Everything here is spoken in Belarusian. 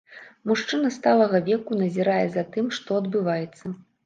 Мужчына сталага веку назірае за тым, што адбываецца.